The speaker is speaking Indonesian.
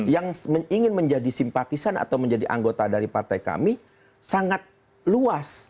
yang ingin menjadi simpatisan atau menjadi anggota dari partai kami sangat luas